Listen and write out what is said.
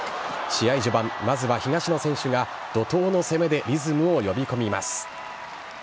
試合序盤、まずは東野選手が怒とうの攻めでリズムを呼び込みます。